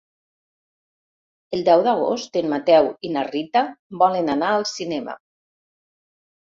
El deu d'agost en Mateu i na Rita volen anar al cinema.